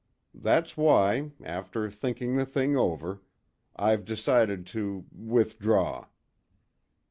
That's why, after thinking the thing over, I've decided to withdraw."